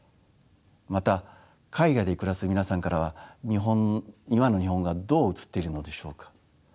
また海外で暮らす皆さんからは今の日本がどう映っているのでしょうか？